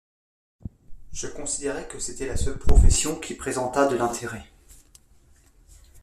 Je considérais que c'était la seule profession qui présentât de l'intérêt.